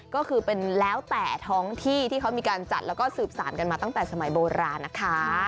ก็คือเป็นแล้วแต่ท้องที่ที่เขามีการจัดแล้วก็สืบสารกันมาตั้งแต่สมัยโบราณนะคะ